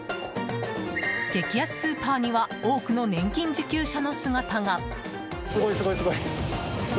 激安スーパーには多くの年金受給者の姿が。